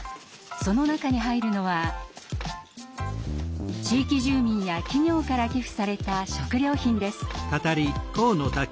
その中に入るのは地域住民や企業から寄付された食料品です。